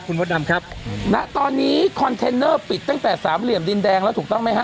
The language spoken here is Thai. คุณมดดำครับณตอนนี้คอนเทนเนอร์ปิดตั้งแต่สามเหลี่ยมดินแดงแล้วถูกต้องไหมฮะ